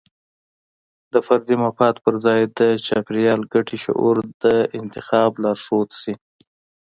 د فردي مفاد پر ځای د چاپیریال ګټې شعور د انتخاب لارښود شي.